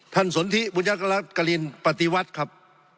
ท่านสนทิบุญกรกริณปฏิวัติครับ